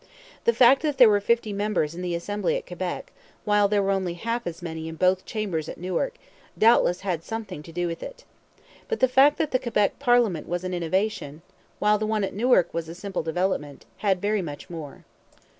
The fact that there were fifty members in the Assembly at Quebec, while there were only half as many in both chambers at Newark, doubtless had something to do with it. But the fact that the Quebec parliament was an innovation, while the one at Newark was a simple development, had very much more.